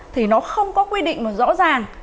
thì nó không có quy định mà rõ ràng